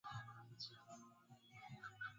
nini hapa Ili kuzuia uchovu wa utalii